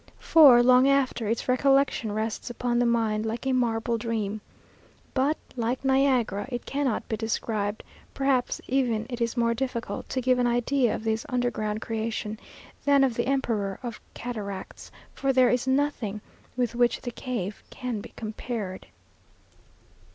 For, long after, its recollection rests upon the mind, like a marble dream. But, like Niagara, it cannot be described; perhaps even it is more difficult to give an idea of this underground creation, than of the emperor of cataracts; for there is nothing with which the cave can be compared.